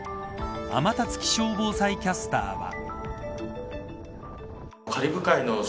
天達気象防災キャスターは。